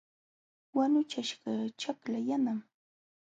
Wanuchaśhqa ćhakla yanam.